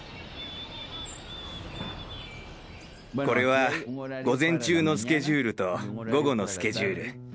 これは午前中のスケジュールと午後のスケジュール。